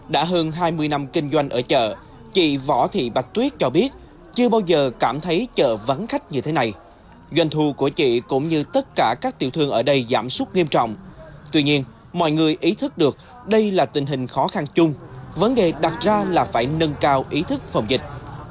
đã hơn hai mươi năm kinh doanh ở chợ chị võ thị bạch tuyết cho biết chưa bao giờ cảm thấy chợ vắng khách như thế này doanh thu của chị cũng như tất cả các tiểu thương ở đây giảm sút nghiêm trọng tuy nhiên mọi người ý thức được đây là tình hình khó khăn chung vấn đề đặt ra là phải nâng cao ý thức phòng dịch